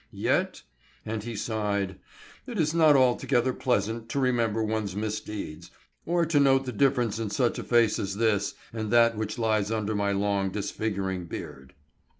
Yet," and he sighed, "it is not altogether pleasant to remember one's misdeeds, or to note the difference in such a face as this and that which lies under my long, disfiguring beard."